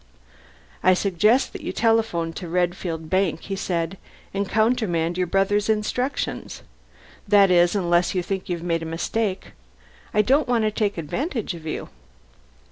"I suggest that you telephone to the Redfield Bank," he said, "and countermand your brother's instructions that is, unless you think you've made a mistake? I don't want to take advantage of you."